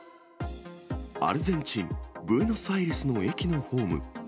アルゼンチン・ブエノスアイレスの駅のホーム。